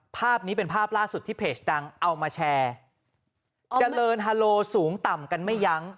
ภาพนี้เป็นภาพล่าสุดที่เพจดังเอามาแชร์เจริญฮาโลสูงต่ำกันไม่ยั้ง